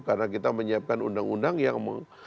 karena kita menyiapkan undang undang yang